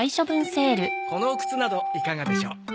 この靴などいかがでしょう？